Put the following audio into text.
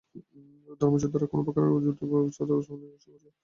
ধর্ম যোদ্ধারা কোন প্রকার পুর্ব পরিকল্পনা ছাড়াই উসমানীয়দের আক্রমণ করে।